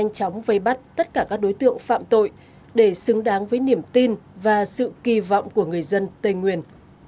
nhanh chóng vây bắt tất cả các đối tượng phạm tội để xứng đáng với niềm tin và sự kỳ vọng của người dân tây nguyên